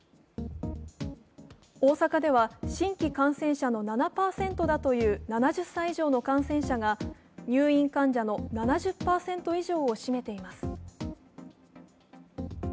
大阪では、新規感染者の７％だという７０歳以上の感染者が入院患者の７０％以上を占めています。